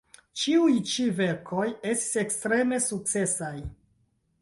Ĉiuj ĉi verkoj estis ekstreme sukcesaj.